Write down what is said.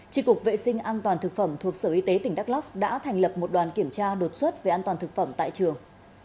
trị cục vệ sinh an toàn thực phẩm thuộc sở y tế tỉnh đắk lóc đã thành lập một đoàn kiểm tra đột xuất về an toàn thực phẩm tại trường